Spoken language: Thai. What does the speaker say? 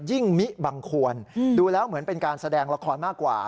มิบังควรดูแล้วเหมือนเป็นการแสดงละครมากกว่า